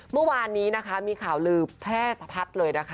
เมื่อวานนี้นะคะมีข่าวลือแพร่สะพัดเลยนะคะ